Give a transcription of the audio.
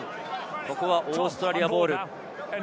ここはオーストラリアボール。